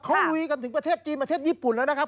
เขาลุยกันถึงประเทศจีนประเทศญี่ปุ่นแล้วนะครับ